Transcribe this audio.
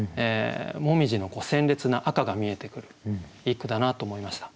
紅葉の鮮烈な赤が見えてくるいい句だなと思いました。